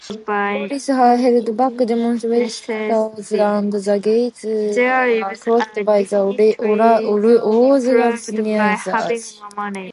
Police held back demonstrators and the gates were closed by the organisers.